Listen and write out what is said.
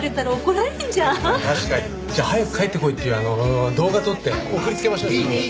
じゃあ早く帰ってこいっていうあの動画撮って送りつけましょうよ。